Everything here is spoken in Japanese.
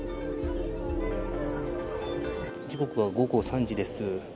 時刻は午後３時です。